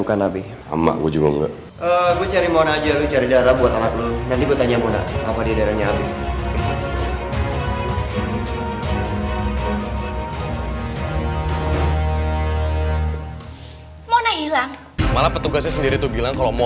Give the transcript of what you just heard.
kamu juga harus mati